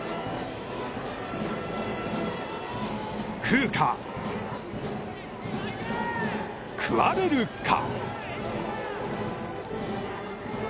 食うか食われるか。